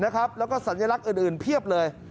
แล้วก็สัญลักษณ์อื่นเพียบเลย